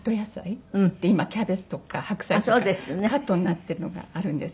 今キャベツとか白菜とかカットになってるのがあるんですね。